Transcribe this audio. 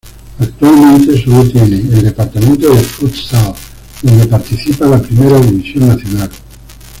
Actualmente solo tiene el departamento de futsal, donde participa la primera división nacional.